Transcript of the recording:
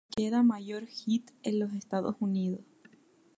Queda mayor hit en los Estados Unidos.